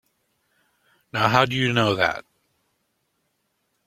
Now how'd you know that?